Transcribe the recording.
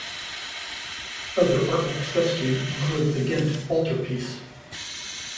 Other artworks rescued included the Ghent Altarpiece.